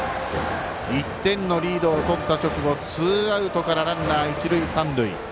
１点のリードをとったあとツーアウトからランナー、一塁三塁。